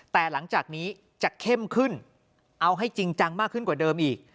แต่หลังจากนี้จะเข้มขึ้นเอาให้จริงจังมากขึ้นกว่าเดิมอีก